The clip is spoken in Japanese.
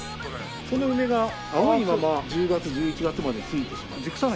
その梅が青いまま１０月１１月までついてしまう。